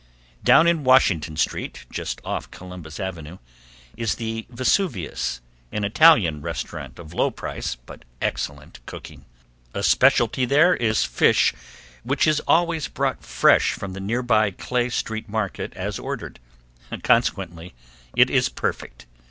Down in Washington street, just off Columbus avenue, is the Vesuvius, an Italian restaurant of low price, but excellent cooking. A specialty there is fish which is always brought fresh from the nearby Clay street market as ordered, consequently is perfect.